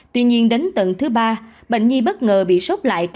tuy nhiên đến tầng thứ ba bệnh nhi bất ngờ bị sốc lại